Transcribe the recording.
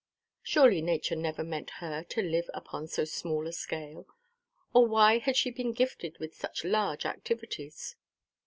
Surely nature never meant her to live upon so small a scale; or why had she been gifted with such large activities?